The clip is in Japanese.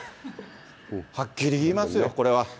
はっきり言いますよ、これは。